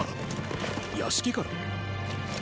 屋敷から？